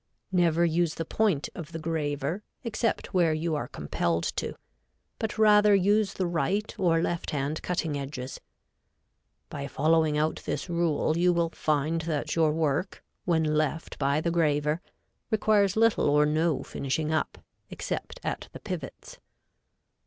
Never use the point of the graver, except where you are compelled to, but rather use the right or left hand cutting edges. By following out this rule you will find that your work, when left by the graver, requires little or no finishing up, except at the pivots.